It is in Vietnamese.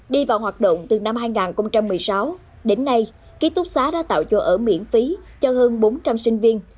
đi vào hoạt động từ năm hai nghìn một mươi sáu đến nay ký túc xá đã tạo cho ở miễn phí cho hơn bốn trăm linh sinh viên